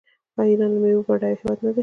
آیا ایران د میوو بډایه هیواد نه دی؟